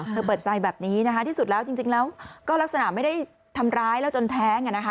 เปิดใจแบบนี้นะคะที่สุดแล้วจริงแล้วก็ลักษณะไม่ได้ทำร้ายแล้วจนแท้ง